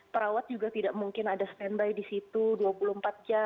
perawat juga tidak mungkin ada standby di situ dua puluh empat jam